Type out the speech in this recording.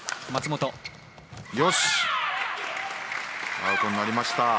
アウトになりました。